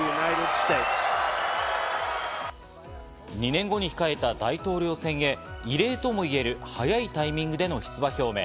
２年後に控えた大統領選へ異例ともいえる早いタイミングでの出馬表明。